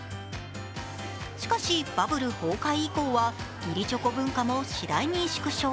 しかしバブル崩壊以降は、義理チョコ文化も次第に縮小。